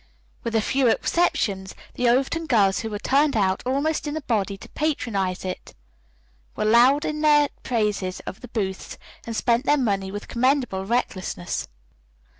With a few exceptions the Overton girls who had turned out, almost in a body, to patronize it, were loud in their praises of the booths, and spent their money with commendable recklessness.